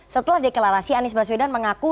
setelah deklarasi anies baswedan mengaku